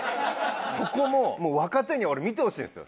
そこももう若手には俺見てほしいんですよ。